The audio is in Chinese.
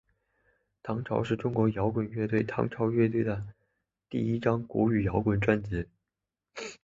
唐朝是中国摇滚乐队唐朝乐队的第一张国语摇滚专辑。